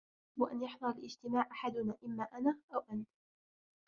يجب أن يحضر الاجتماع أحدنا ، إما أنا أو أنت.